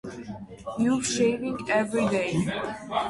You're shaving every day.